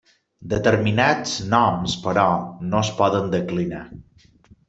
Determinats noms, però, no es poden declinar.